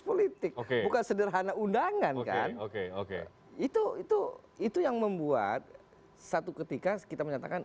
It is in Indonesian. politik bukan sederhana undangan kan oke oke itu itu yang membuat satu ketika kita menyatakan